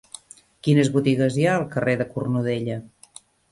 Quines botigues hi ha al carrer de Cornudella?